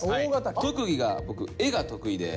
特技が僕絵が得意で。